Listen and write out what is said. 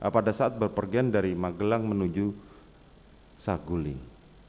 pada saat berpergian dari magelang menuju saguling